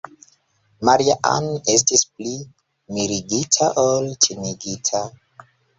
Maria-Ann estis pli mirigita ol timigita.